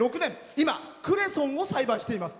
今、クレソンを栽培しています。